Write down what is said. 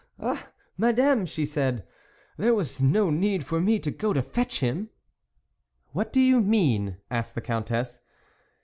" Ah ! Madame," she said, " there was no need for me to go to fetch him." " What do you mean ?" asked the Countess.